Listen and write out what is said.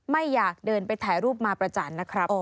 ไม่อยากเดินไปถ่ายรูปมาประจันทร์นะครับ